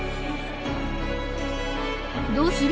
どうする？